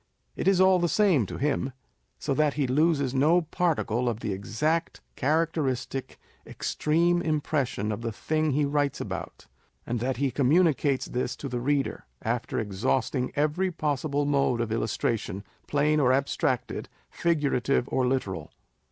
It is all the same to him, so that he loses no particle of the exact, character istic, extreme impression of the thing he writes about, and that he communicates this to the reader, after exhausting every possible mode of illustration, plain or abstracted, figurative or literal.